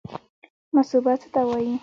مصوبه څه ته وایي؟